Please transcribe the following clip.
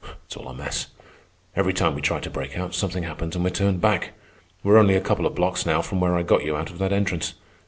It's all a mess. Every time we try to break out, something happens and we're turned back. We're only a couple of blocks now from where I got you out of that entrance.